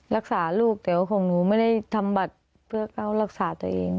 รักษาลูกแต่ว่าของหนูไม่ได้ทำบัตรเพื่อเข้ารักษาตัวเอง